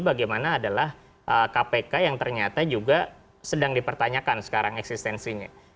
bagaimana adalah kpk yang ternyata juga sedang dipertanyakan sekarang eksistensinya